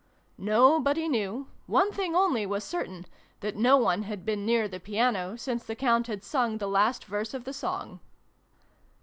Nobody knew : one thing only was certain, that no one had been near the piano since the Count had sung the last verse of the song.